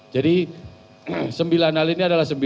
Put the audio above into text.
jadi sembilan hal ini adalah